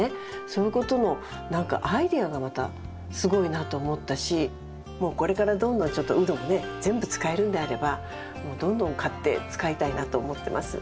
そういうことの何かアイデアがまたすごいなと思ったしもうこれからどんどんちょっとウドもね全部使えるんであればもうどんどん買って使いたいなと思ってます